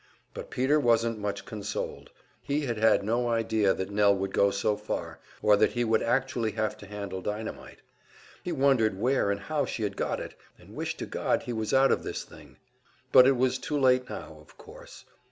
But Peter wasn't much consoled. He had had no idea that Nell would go so far, or that he would actually have to handle dynamite. He wondered where and how she had got it, and wished to God he was out of this thing. But it was too late now, of course.